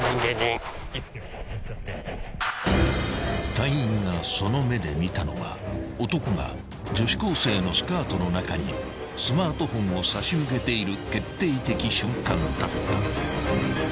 ［隊員がその目で見たのは男が女子高生のスカートの中にスマートフォンを差し向けている］